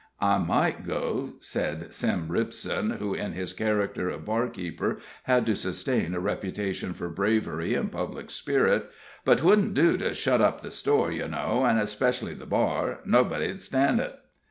"I might go," said Sim Ripson, who, in his character of barkeeper, had to sustain a reputation for bravery and public spirit, "but 'twouldn't do to shut up the store, ye know, an' specially the bar nobody'd stan' it."